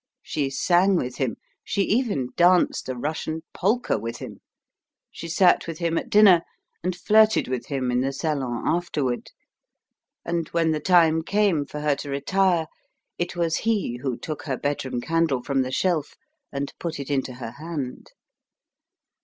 She sang with him, she even danced a Russian polka with him; she sat with him at dinner, and flirted with him in the salon afterward; and when the time came for her to retire, it was he who took her bedroom candle from the shelf and put it into her hand.